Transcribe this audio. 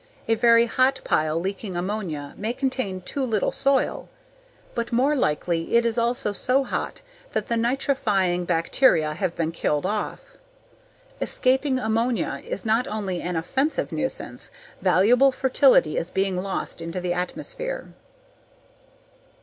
A very hot pile leaking ammonia may contain too little soil, but more likely it is also so hot that the nitrifying bacteria have been killed off. Escaping ammonia is not only an offensive nuisance, valuable fertility is being lost into the atmosphere.